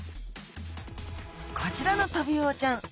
こちらのトビウオちゃん。